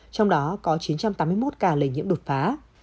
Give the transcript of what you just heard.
trong đó có chín trăm tám mươi một ca lây nhiễm đột phá